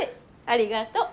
ありがとう。